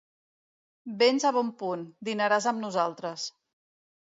Vens a bon punt: dinaràs amb nosaltres.